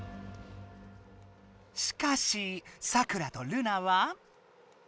しかしサクラとルナは？